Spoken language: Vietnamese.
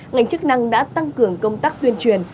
ngành chức năng đã tăng cường công tác tuyên truyền